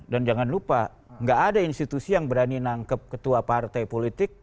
dan jangan lupa enggak ada institusi yang berani nangkep ketua partai politik